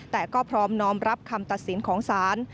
แต่ก็พร้อมน้อมรับคำตัดสินของศาล